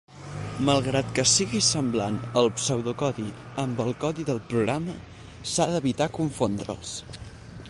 Malgrat que sigui semblant el pseudocodi amb el codi del programa, s'ha d’evitar confondre'ls.